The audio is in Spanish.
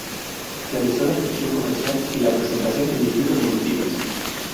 Realizó la gestión comercial y la presentación en distintos municipios.